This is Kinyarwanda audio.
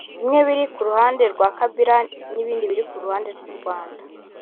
bimwe biri ku ruhande rwa Kabila ibindi biri ku rw’u Rwanda